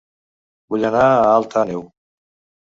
Vull anar a Alt Àneu